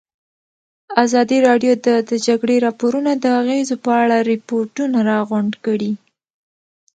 ازادي راډیو د د جګړې راپورونه د اغېزو په اړه ریپوټونه راغونډ کړي.